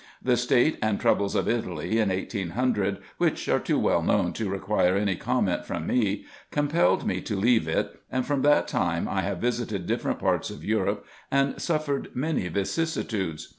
The state and troubles of Italy in 1800, which are too well known to require any comment from me, compelled me to leave it, and from that time I have visited different parts of Europe, and suffered via PREFACE. many vicissitudes.